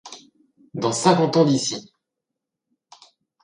Dans cinquante ans d'ici !